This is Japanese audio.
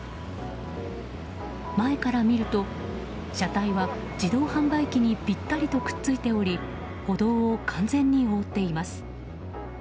前から見ると、車体は自動販売機にぴったりとくっついており歩道を完全に覆っています。